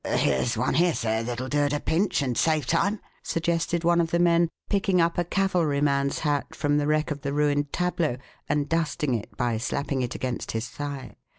"Here's one here, sir, that'll do at a pinch and save time," suggested one of the men, picking up a cavalryman's hat from the wreck of the ruined tableau and dusting it by slapping it against his thigh.